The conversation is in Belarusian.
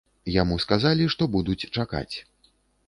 Яму сказалі, што будуць чакаць.